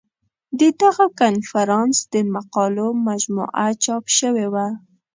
د دغه کنفرانس د مقالو مجموعه چاپ شوې وه.